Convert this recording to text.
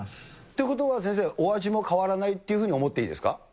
ということは、先生、お味も変わらないというふうに思っていいですか。